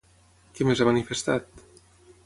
Què més ha manifestat?